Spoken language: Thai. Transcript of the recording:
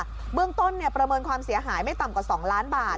เบื้องต้นประเมินความเสียหายไม่ต่ำกว่า๒ล้านบาท